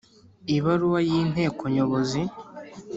Ibaruwa y ,inteko Nyobozi